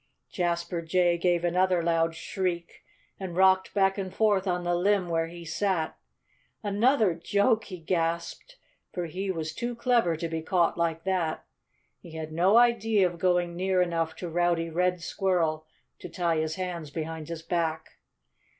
Jasper Jay gave another loud shriek and rocked back and forth on the limb where he sat. "Another joke!" he gasped for he was too clever to be caught like that. He had no idea of going near enough to Rowdy Red Squirrel to tie his hands behind his back.